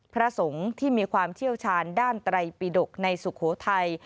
พระสงฆ์ที่มีความเชี่ยวชาญด้านไตรปิดกในสุโขทัย